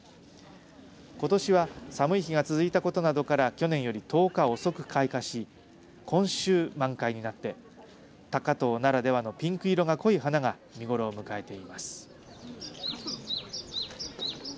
ことしは寒い日が続いたことなどから去年より１０日遅く開花し今週満開になって高遠ならではのピンク色が濃い花が見頃を迎えています。